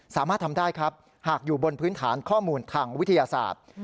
สามารถทำได้ครับหากอยู่บนพื้นฐานข้อมูลทางวิทยาศาสตร์